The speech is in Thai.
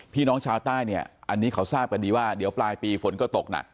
พี่น้องชาวใต้เนี่ยอันนี้เขาทราบกันดีว่าเดี๋ยวปลายปีฝนก็ตกหนัก